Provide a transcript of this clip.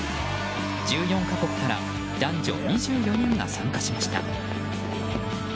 １４か国から男女２４人が参加しました。